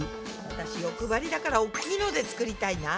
私欲張りだから大きいので作りたいな。